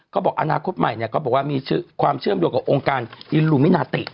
ก็บอกอคใหม่ว่ามีความเชื่อมโดยกับโรงการอิลลูมินาติ